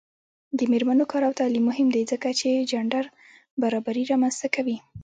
د میرمنو کار او تعلیم مهم دی ځکه چې جنډر برابري رامنځته کوي.